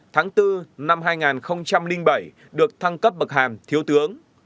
tháng bốn năm hai nghìn bảy được thăng cấp bậc hàm thiếu tướng